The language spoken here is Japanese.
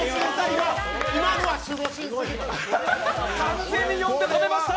今のは守護神完全に読んで止めました！